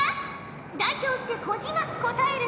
代表して小島答えるのじゃ。